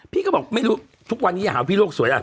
พี่ก็บอกต้วยไม่รู้ทุกวันนี้หาพี่โลกสวยน่ะ